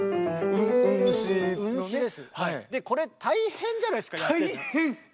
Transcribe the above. でこれ大変じゃないですかやってて。